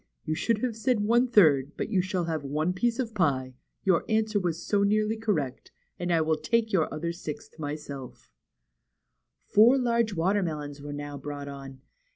You should have said one third, but you shall have one piece of pie, your answer was so nearly correct, and I will take your other sixth myself." Four large watermelons were now brought on.